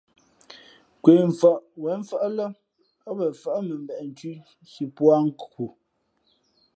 Nkwe mfαʼ wěn mfάʼ lά ά wen fάʼ mα mbeʼ nthʉ̄ si pūᾱ nkhu.